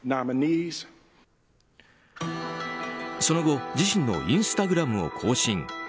その後自身のインスタグラムを更新。